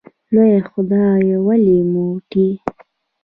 لویه خدایه ولې موټی